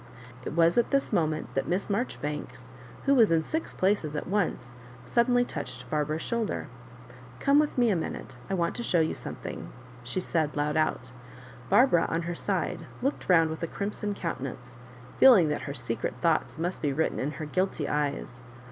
It was at this moment that Miss Maijoribanks, who was in six places at once, suddenly touched Barbara's shoulder. " Gome with me a minute ; I want to show you something," she said loud out Barbara, on her side, looked round with a crimson countenance, feeling that her secret thoughts must be written in her guilty eyes.